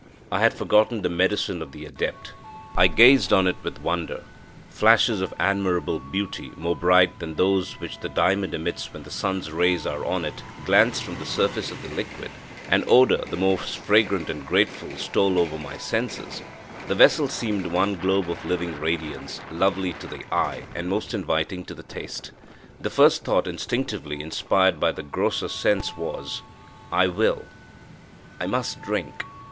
I had forgotten the medicine of the adept; I gazed on it with wonder: flashes of admirable beauty, more bright than those which the diamond emits when the sun's rays are on it, glanced from the surface of the liquid; and odour the most fragrant and grateful stole over my sense; the vessel seemed one globe of living radiance, lovely to the eye, and most inviting to the taste. The first thought, instinctively inspired by the grosser sense, was, I will I must drink.